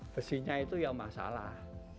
besinya itu ya masalah